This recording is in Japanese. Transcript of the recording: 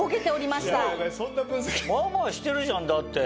まあまあしてるじゃんだって。